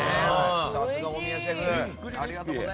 さすが大宮シェフ。